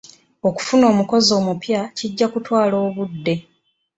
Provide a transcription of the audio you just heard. Okufuna omukozi omupya kijja kutwala obudde.